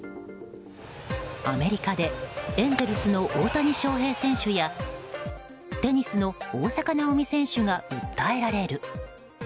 アメリカでエンゼルスの大谷翔平選手やテニスの大坂なおみ選手が訴えられる。